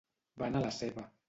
Van a la seva.